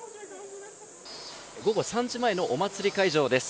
午後３時前のお祭り会場です。